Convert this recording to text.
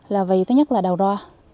là vì thứ nhất là đầu đo